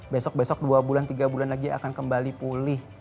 besok besok dua bulan tiga bulan lagi akan kembali pulih